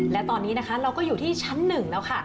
และตอนนี้นะคะเราก็อยู่ที่ชั้น๑แล้วค่ะ